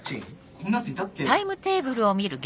こんなヤツいたっけ？